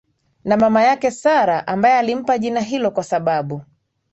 Na mama yake Sarah ambaye alimpa jina hilo kwa sababu